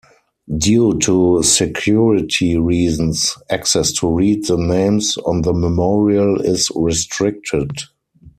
Due to security reasons access to read the names on the memorial is restricted.